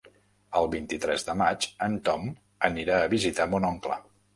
El vint-i-tres de maig en Tom anirà a visitar mon oncle.